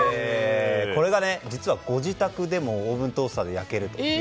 これが実はご自宅でもオーブントースターで焼けると。